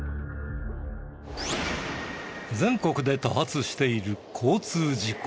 全国で多発している交通事故。